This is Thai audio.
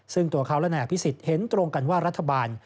ซึ่งตัวเขาและนายอภิษฎเห็นตรงกันว่ารัฐบาล